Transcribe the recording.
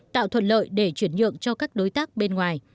tạo thuận lợi để chuyển nhượng cho các đối tác bên ngoài